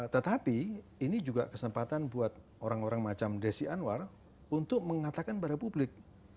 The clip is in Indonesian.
tetapi ini juga kesempatan buat orang orang macam desi anwar untuk mengatakan pada publik